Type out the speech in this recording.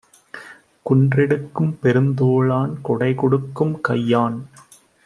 குன்றெடுக்கும் பெருந்தோளான் கொடைகொடுக்கும் கையான்!